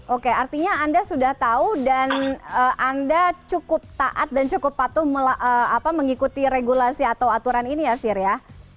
oke artinya anda sudah tahu dan anda cukup taat dan cukup patuh mengikuti regulasi atau aturan ini ya fir ya